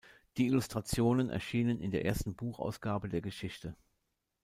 Die Illustrationen erschienen in der ersten Buchausgabe der Geschichte.